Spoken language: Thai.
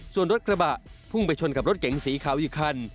ส่วนรถกระบะพุ่งไปชนกับรถเก๋งสีขาวอีกคัน